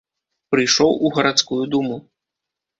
Прыйшоў у гарадскую думу.